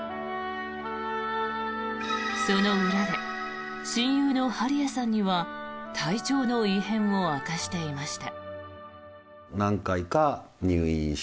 その裏で親友の針谷さんには体調の異変を明かしていました。